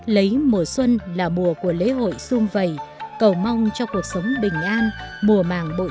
lấy mùa xuân là mùa của lễ hội xung vầy cầu mong cho cuộc sống bình an mùa mạng bội thu ấm no hạnh phúc